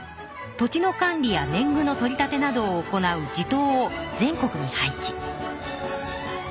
土地の管理や年ぐの取り立てなどを行う地頭を全国に配置。